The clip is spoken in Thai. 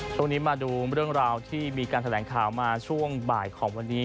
ช่วงนี้มาดูเรื่องราวที่มีการแถลงข่าวมาช่วงบ่ายของวันนี้